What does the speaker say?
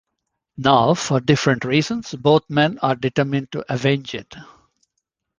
Now, for different reasons, both men are determined to avenge it.